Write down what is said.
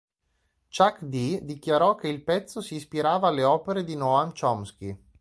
Chuck D dichiarò che il pezzo si ispirava alle opere di Noam Chomsky.